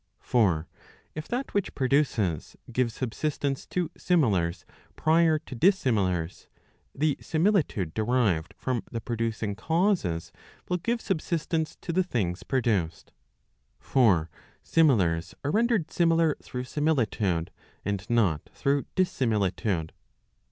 For if that which produces, gives subsistence to similars prior to dissimilars, the similitude derived from the producing causes will give subsistence to the things produced. For similars are rendered similar through similitude, and not through dissimilitude.